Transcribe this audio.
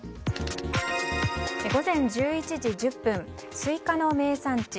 午前１１時１０分スイカの名産地